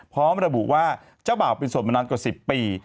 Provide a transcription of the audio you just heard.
พร้อมระบุว่าเจ้าบ่าวเป็นสดมานานกว่า๑๐ปี